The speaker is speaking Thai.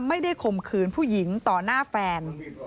ข่มขืนผู้หญิงต่อหน้าแฟน